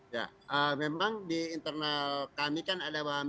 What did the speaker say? ya memang di internal kami kan ada